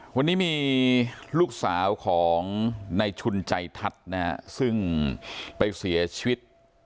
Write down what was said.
วันนี้มีลูกสาวของในชุนใจทัศน์นะฮะซึ่งไปเสียชีวิต